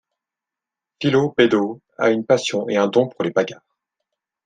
Philo Beddoe a une passion et un don pour les bagarres.